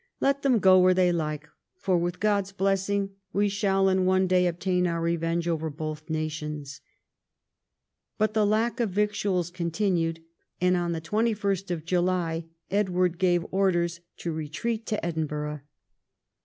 Let them go where they like, for, with God's blessing, we shall in one day obtain our revenge over both nations." But the lack of victuals continued, and on 21st July Edward o;ave orders to retreat to Edinbur<rh.